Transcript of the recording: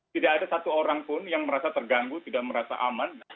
tidak ada satu orang pun yang merasa terganggu tidak merasa aman